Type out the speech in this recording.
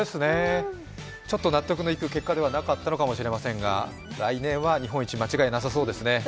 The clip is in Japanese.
ちょっと納得のいく結果ではなかったのかもしれませんが、来年は日本一、間違いなさそうですね。